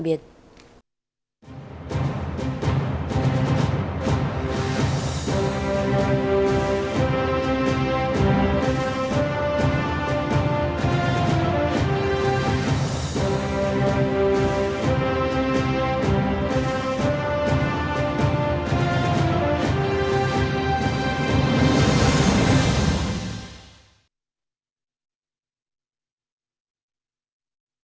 hẹn gặp lại